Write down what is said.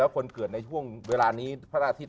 คนเกิดในช่วงเวลานี้พระอาทิตย